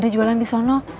gimana jualan di sana